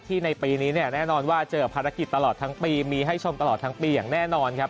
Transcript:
ในปีนี้เนี่ยแน่นอนว่าเจอภารกิจตลอดทั้งปีมีให้ชมตลอดทั้งปีอย่างแน่นอนครับ